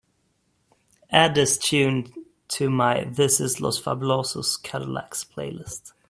Add this tune to my this is Los Fabulosos Cadillacs playlist